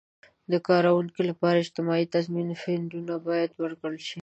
د کارکوونکو لپاره د اجتماعي تضمین فنډونه باید ورکړل شي.